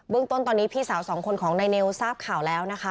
ต้นตอนนี้พี่สาวสองคนของนายเนวทราบข่าวแล้วนะคะ